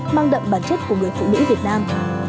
mang đậm bản chất của người phụ nữ việt nam